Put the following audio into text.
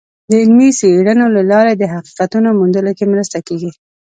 د علمي څیړنو له لارې د حقیقتونو موندلو کې مرسته کیږي.